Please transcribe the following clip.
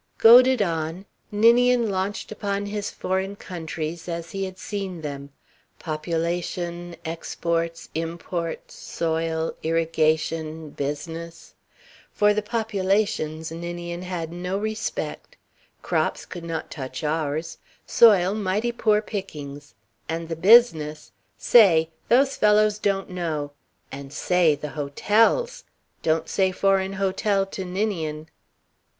Goaded on, Ninian launched upon his foreign countries as he had seen them: Population, exports, imports, soil, irrigation, business. For the populations Ninian had no respect. Crops could not touch ours. Soil mighty poor pickings. And the business say! Those fellows don't know and, say, the hotels! Don't say foreign hotel to Ninian.